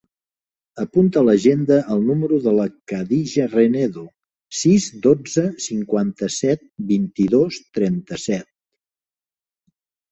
Apunta a l'agenda el número de la Khadija Renedo: sis, dotze, cinquanta-set, vint-i-dos, trenta-set.